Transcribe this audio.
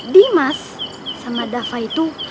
dimas sama dafa itu